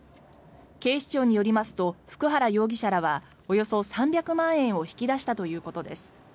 警視庁によりますと普久原容疑者らはおよそ３００万円を引き出したということです。